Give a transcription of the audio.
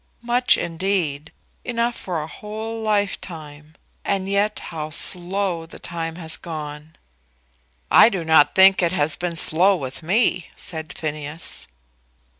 "Much indeed! Enough for a whole lifetime. And yet how slow the time has gone!" "I do not think it has been slow with me," said Phineas.